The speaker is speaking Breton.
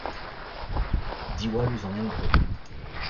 Diwall ouzh an endro.